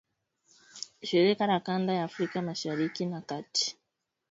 shirika za kanda ya Afrika Mashariki na Kati